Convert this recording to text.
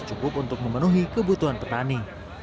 cukup untuk memenuhi kebutuhan petani